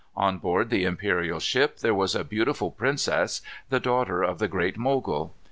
On board the imperial ship there was a beautiful princess, the daughter of the Great Mogul.